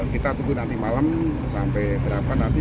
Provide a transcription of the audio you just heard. kita tunggu nanti malam sampai berapa nanti